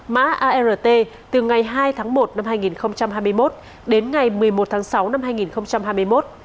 mã art từ ngày hai tháng một năm hai nghìn hai mươi một đến ngày một mươi một tháng sáu năm hai nghìn hai mươi một